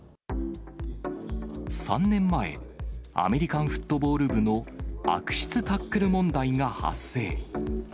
３年前、アメリカンフットボール部の悪質タックル問題が発生。